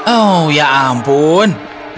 oh ya ampun